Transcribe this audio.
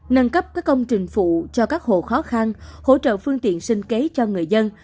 nâng cấp các công trình phụ cho các hộ khó khăn hỗ trợ phương tiện sinh kế cho người dân